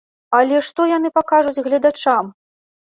Але што яны пакажуць гледачам?